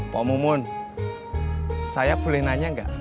pok mumun saya boleh nanya enggak